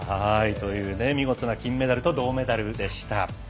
見事な金メダルと銅メダルでした。